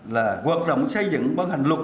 là hoạt động xây dựng bằng hành luật